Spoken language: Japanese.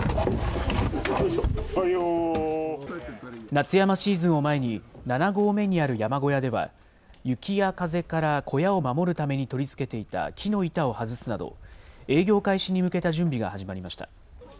夏山シーズンを前に７合目にある山小屋では、雪や風から小屋を守るために取り付けていた木の板を外すなど、営業開始に向けた準備が始まりました。